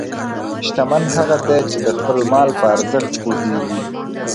شتمن هغه دی چې د خپل مال په ارزښت پوهېږي.